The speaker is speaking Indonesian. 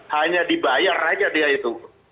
hanya dibayar aja dia itu